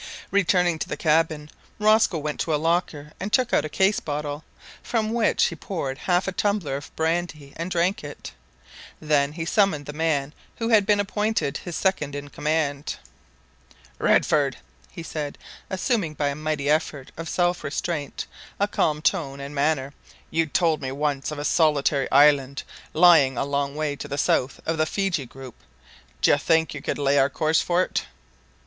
Returning to the cabin, Rosco went to a locker and took out a case bottle, from which he poured half a tumbler of brandy and drank it. Then he summoned the man who had been appointed his second in command. "Redford," he said, assuming, by a mighty effort of self restraint a calm tone and manner, "you told me once of a solitary island lying a long way to the south of the Fiji group. D'you think you could lay our course for it?"